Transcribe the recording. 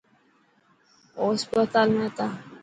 او هسپتال ۾ هتا.